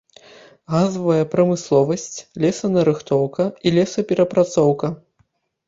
Газавая прамысловасць, лесанарыхтоўка і лесаперапрацоўка.